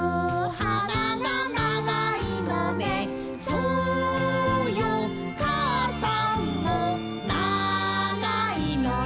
「そうよかあさんもながいのよ」